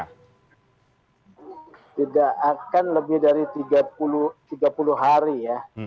tidak akan lebih dari tiga puluh hari ya